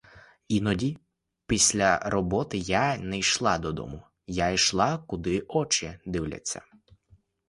Іноді після роботи я не йшла додому, я йшла куди очі дивляться.